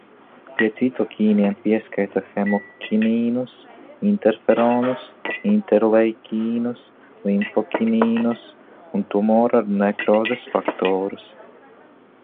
Pie citokīniem pieskaita hemokinīnus, interferonus, interleikīnus, limfokinīnus un tumora nekrozes faktorus.